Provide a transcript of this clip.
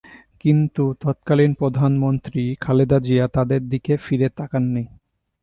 কিন্তু তৎকালীন প্রধানমন্ত্রী খালেদা জিয়া তাদের দিকে ফিরে তাকাননি।